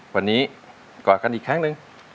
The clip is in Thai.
วันนี้กอดกันอีกครั้งหนึ่ง